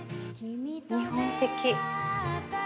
日本的。